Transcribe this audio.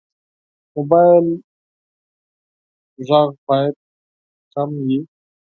د موبایل غږ باید کم وي.